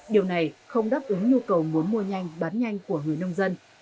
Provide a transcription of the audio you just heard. điều này không đáp ứng nhu cầu muốn mua nhanh bán nhanh của người nông dân